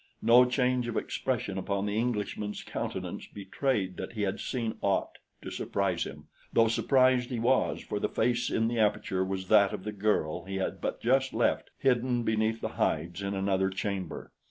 No change of expression upon the Englishman's countenance betrayed that he had seen aught to surprise him, though surprised he was for the face in the aperture was that of the girl he had but just left hidden beneath the hides in another chamber.